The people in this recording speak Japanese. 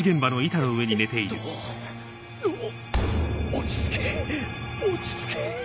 落ち着け落ち着け